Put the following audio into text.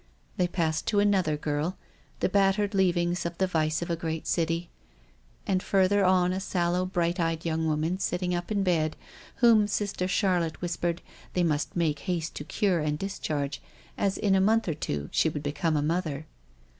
They passed to another girl — the battered leavings of the lust of a great city — and farther on a sallow, bright eyed young woman sitting up in bed, who, Sister Charlotte whispered, they must make haste to cure and discharge, as in a month or two she would become a mother.